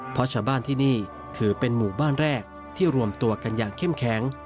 เพราะชาวบ้านที่นี่ถือเป็นหมู่บ้านแรกที่รวมตัวกันอย่างเข้มแข็ง